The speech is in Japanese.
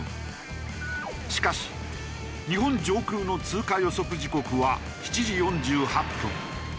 しかし日本上空の通過予測時刻は７時４８分。